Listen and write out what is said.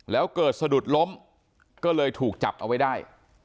แล้วเกิดสะดุดล้มก็เลยถูกจับเอาไว้ได้